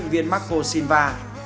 viên marco silva